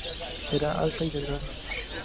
Era alta y delgada.